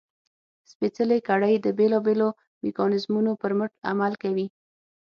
سپېڅلې کړۍ د بېلابېلو میکانیزمونو پر مټ عمل کوي.